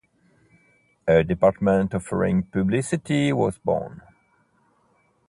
A department offering Publicity was born.